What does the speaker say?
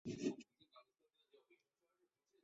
用稻草盖著